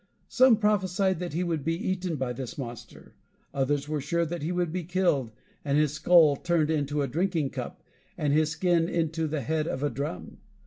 Some prophesied that he would be eaten by this monster; others were sure that he would be killed, and his skull turned into a drinking cup, and his skin into the head of a drum.